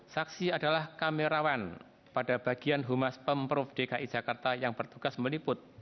saksi adalah kamerawan pada bagian humas pemprov dki jakarta yang bertugas meliput